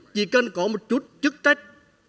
chỉ cần có một chút chức trách